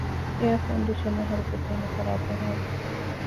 އެއަރ ކޮންޑިޝަނެއް ހަރުކޮށްދޭނެ ފަރާތެއް ހޯދަން